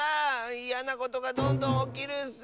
いやなことがどんどんおきるッス！